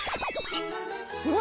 うわ！